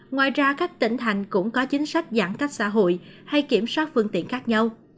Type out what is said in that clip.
ngoài ra các tỉnh thành cũng có chính sách giãn cách xã hội hay kiểm soát phương tiện khác nhau